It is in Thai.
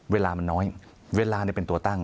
เวลามันน้อยเวลาเป็นตัวตั้ง